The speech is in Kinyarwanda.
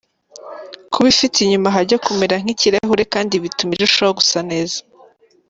Kuba ifite inyuma hajya kumera nk’ikirahure kandi bituma irushaho gusa neza.